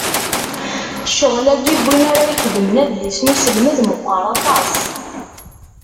Ccɣel-agi n win ara ixedmen adlis n uselmed meqqer aṭas.